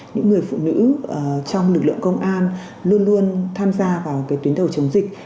những người phụ nữ trong lực lượng công an luôn luôn tham gia vào cái tuyến đầu chống dịch